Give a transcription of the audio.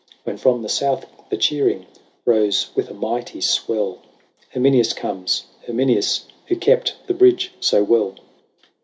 When from the south the cheering Rose with a mighty swell ;" Herminius comes, Herminius, Who kept the bridge so well